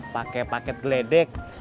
pakai paket geledek